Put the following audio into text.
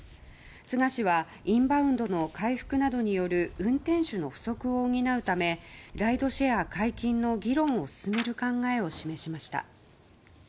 菅氏は、インバウンドの回復などによる運転手の不足を補うためライドシェア解禁の議論を進める考えを示しました。